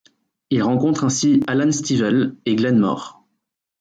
Il rencontre ainsi Alan Stivell et Glen Mor.